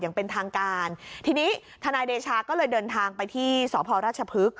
อย่างเป็นทางการทีนี้ทนายเดชาก็เลยเดินทางไปที่สพราชพฤกษ